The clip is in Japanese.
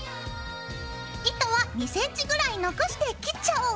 糸は２ｃｍぐらい残して切っちゃおう！